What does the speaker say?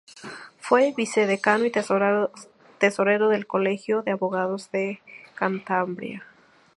Fue vicedecano y tesorero del Colegio de Abogados de Cantabria.